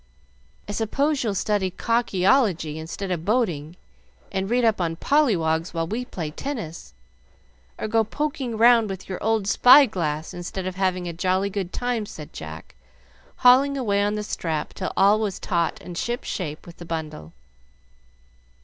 "I suppose you'll study cockleology instead of boating, and read up on polywogs while we play tennis, or go poking round with your old spy glass instead of having a jolly good time," said Jack, hauling away on the strap till all was taut and ship shape with the bundle.